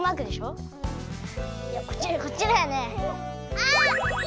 あっ！